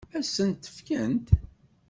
Ad sent-t-fkent?